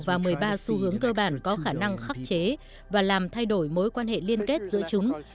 và một mươi ba xu hướng cơ bản có khả năng khắc chế và làm thay đổi mối quan hệ liên kết giữa chúng